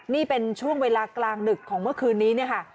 นี่เป็นช่วงเวลากลางหนึกของเมื่อคืนนี้